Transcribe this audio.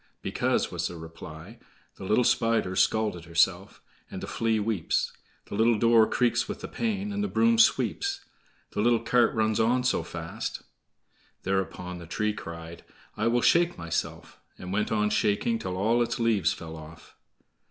"Because," was the reply: "The little Spider's scalt herself, And the Flea weeps; The little door creaks with the pain, And the broom sweeps; The little cart runs on so fast,"— Thereupon the tree cried, "I will shake myself!" and went on shaking till all its leaves fell off.